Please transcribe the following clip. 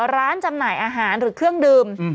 จำหน่ายอาหารหรือเครื่องดื่ม